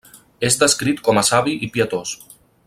És descrit com a savi i pietós.